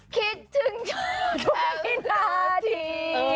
คิดถึงเธอกลับมาสักที